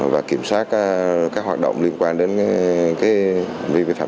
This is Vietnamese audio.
và kiểm soát các hoạt động liên quan đến cái vi phạm